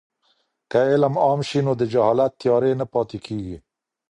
که علم عام سي نو د جهالت تیارې نه پاتې کېږي.